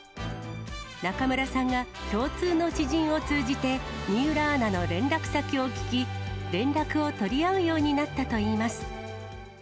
中村さんが、共通の知人を通じて、水卜アナの連絡先を聞き、連絡を取り合うようになったといいます。